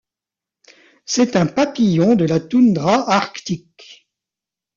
C'est un papillon de la toundra arctique.